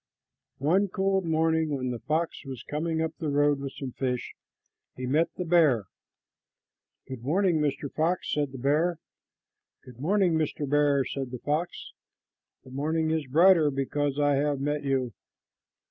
One cold morning when the fox was coming up the road with some fish, he met the bear. "Good morning, Mr. Fox," said the bear. "Good morning, Mr. Bear," said the fox. "The morning is brighter because I have met you."